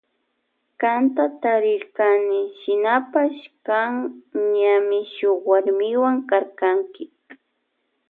Kanta tarirkani shinapash kan ñami shuk warmiwa karkanki.